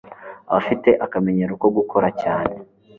abafite akamenyero ko gukora cyane